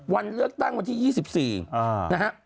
วันเลือกตั้งวันที่๒๔นะฮะ